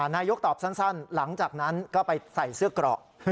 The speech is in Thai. นายกตอบสั้นหลังจากนั้นก็ไปใส่เสื้อเกราะ